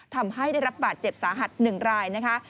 ทำให้ได้รับบาดเจ็บสาหัส๑รายนะคะ